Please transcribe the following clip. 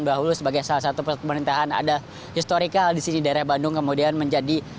dahulu sebagai salah satu pemerintahan ada historical di sini daerah bandung kemudian menjadi